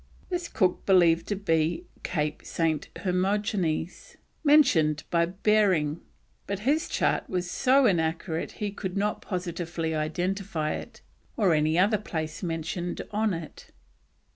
This Cook believed to be Cape Saint Hermogenes mentioned by Behring, but his chart was so inaccurate he could not positively identify it, or any other place mentioned on it.